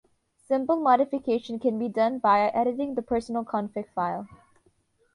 Simple modification can be done via editing the personal config file.